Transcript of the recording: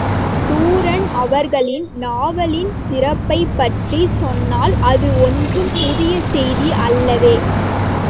தூரன் அவர்களின் நாவலின் சிறப்பைப்பற்றிச் சொன்னால் அது ஒன்றும் புதிய செய்தி அல்லவே!